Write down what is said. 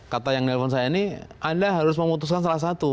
kata yang nelfon saya ini anda harus memutuskan salah satu